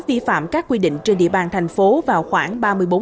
vi phạm các quy định trên địa bàn thành phố vào khoảng ba mươi bốn